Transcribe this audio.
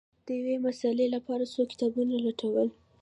د یوې مسألې لپاره څو کتابونه لټول